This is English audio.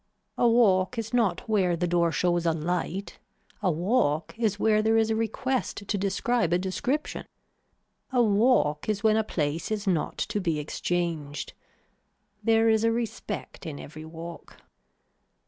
A walk is not where the door shows a light, a walk is where there is a request to describe a description. A walk is when a place is not to be exchanged. There is a respect in every walk.